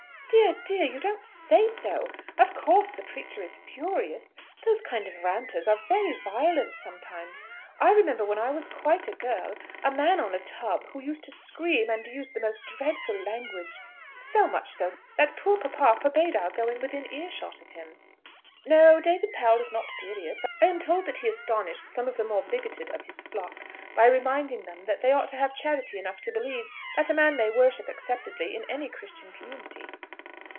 "Dear, dear! You don't say so! Of course the preacher is furious? Those kind of Ranters are very violent sometimes. I remember, when I was quite a girl, a man on a tub, who used to scream and use the most dreadful language. So much so, that poor papa forbade our going within earshot of him." "No; David Powell is not furious. I am told that he astonished some of the more bigoted of his flock, by reminding them that they ought to have charity enough to believe that a man may worship acceptably in any Christian community."